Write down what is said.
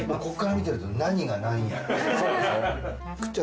ここから見てると何がなんやら。